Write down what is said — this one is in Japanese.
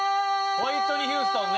ホイットニー・ヒューストンね。